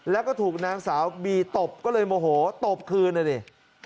แล้วก็ถูกนางสาวบีตบก็เลยโมโหตบคืนนะดิ